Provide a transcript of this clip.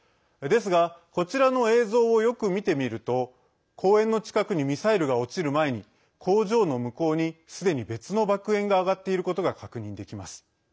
ですが、こちらの映像をよく見てみると公園の近くにミサイルが落ちる前に工場の向こうにすでに別の爆煙が上がっていることが確認できます。